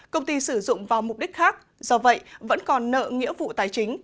công ty sử dụng vào mục đích khác do vậy vẫn còn nợ nghĩa vụ tài chính